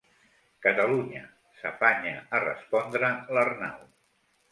Catalunya —s'afanya a respondre l'Arnau.